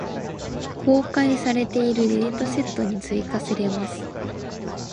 公開されているデータセットに追加せれます。